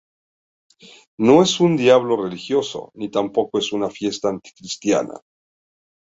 No es un Diablo religioso, ni tampoco es una fiesta anticristiana.